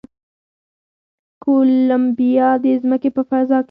کولمبیا د ځمکې په فضا کې